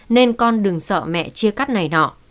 nên con đừng sợ mẹ chia cắt này nọ